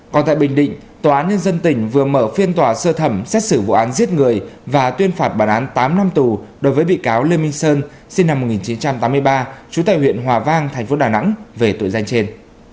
còn tại bình định tòa án nhân dân tỉnh vừa mở phiên tòa sơ thẩm xét xử vụ án giết người và tuyên phạt bản án tám năm tù đối với bị cáo lê minh sơn sinh năm một nghìn chín trăm tám mươi ba trú tại huyện hòa vang thành phố đà nẵng về tội danh trên